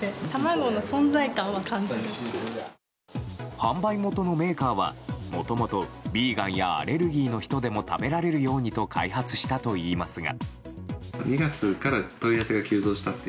販売元のメーカーはもともとヴィーガンやアレルギーの人でも食べられるようにと開発したといいますが。